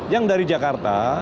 yang dari jakarta